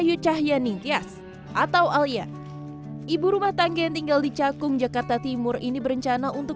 yudhya nintyas atau alia ibu rumah tangga tinggal di cakung jakarta timur ini berencana untuk